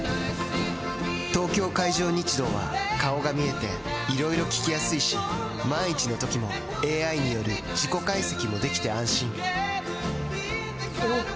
東京海上日動は顔が見えていろいろ聞きやすいし万一のときもＡＩによる事故解析もできて安心おぉ！